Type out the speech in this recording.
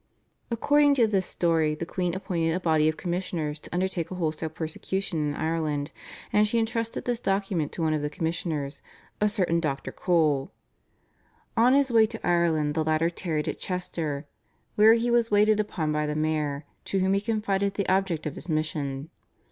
According to this story the queen appointed a body of commissioners to undertake a wholesale persecution in Ireland, and she entrusted this document to one of the commissioners, a certain Dr. Cole. On his way to Ireland the latter tarried at Chester, where he was waited upon by the mayor, to whom he confided the object of his mission.